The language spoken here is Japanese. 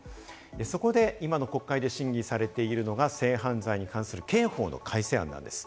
そこで今の国会で審議されているのが性犯罪に関する刑法の改正案なんです。